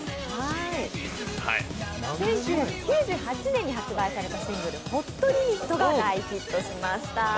１９９８年に発売されたシングル「ＨＯＴＬＩＭＩＴ」が大ヒットしました。